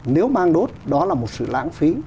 nếu mang đốt đó là một sự lãng phí